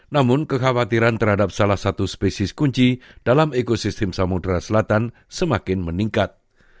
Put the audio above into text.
namun kekhawatiran terhadap salah satu spesies kunci dalam ekosistem samudera selatan semakin meningkat